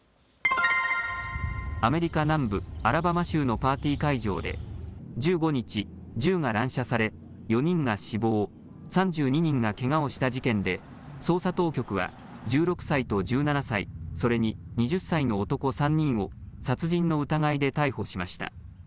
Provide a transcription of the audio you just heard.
アメリカ南部アラバマ州のパーティー会場で１５日、銃が乱射され４人が死亡、３２人がけがをした事件で捜査当局は１６歳と１７歳、それに２０歳の男３人を殺人の疑いで逮捕しました。